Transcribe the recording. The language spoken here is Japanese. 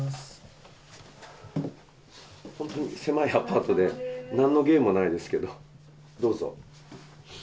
本当に狭いアパートで、なんの芸もないですけど、どうぞ。